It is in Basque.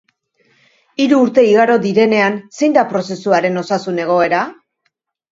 Hiru urte igaro direnean, zein da prozesuaren osasun egoera?